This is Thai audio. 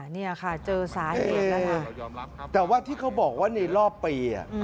นี่ค่ะเจอสาเหตุนะคะแต่ว่าที่เขาบอกว่าในรอบปี